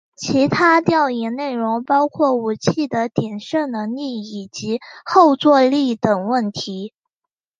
其他调研内容包括武器的点射能力以及后座力等问题。